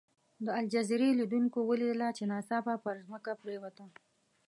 د الجزیرې لیدونکو ولیدله چې ناڅاپه پر ځمکه پرېوته.